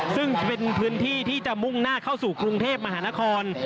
ซึ่งจะเป็นพื้นที่ที่จะมุ่งหน้าเข้าสู่กรุงเทพมหานคร